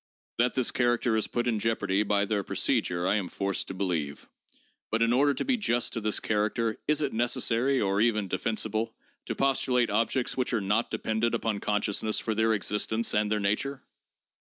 That this character is put in jeopardy by their procedure I am forced to believe. But, in order, to be just to this character, is it necessary, or even defensible, to postulate objects which are not dependent upon consciousness for their existence and their nature